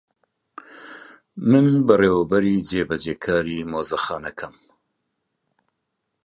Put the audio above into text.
من بەڕێوەبەری جێبەجێکاری مۆزەخانەکەم.